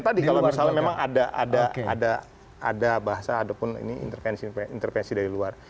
tadi kalau misalnya memang ada bahasa ataupun ini intervensi dari luar